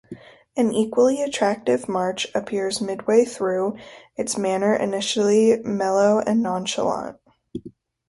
An equally attractive march appears midway through, its manner initially mellow and nonchalant.